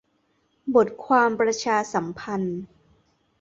- บทความประชาสัมพันธ์